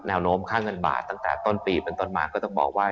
โน้มค่าเงินบาทตั้งแต่ต้นปีเป็นต้นมาก็ต้องบอกว่า